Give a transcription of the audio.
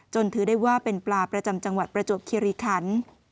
ถือได้ว่าเป็นปลาประจำจังหวัดประจวบคิริคัน